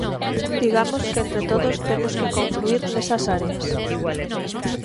Digamos que entre todos temos que confluír nesas áreas.